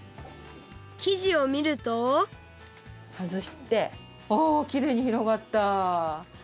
生地をみるとはずしておきれいにひろがった！